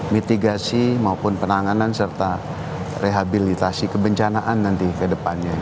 mitigasi maupun penanganan serta rehabilitasi kebencanaan nanti ke depannya